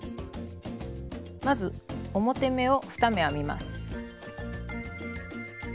まず表目を２目編みます。